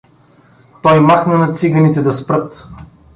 Той махна на циганите да спрат.